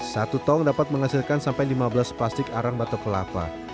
satu tong dapat menghasilkan sampai lima belas plastik arang batok kelapa